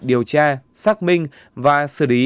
điều tra xác minh và xử lý